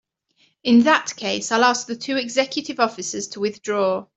In that case I'll ask the two executive officers to withdraw.